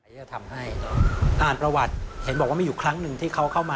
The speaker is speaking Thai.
จากฝึกนาน๓เดือน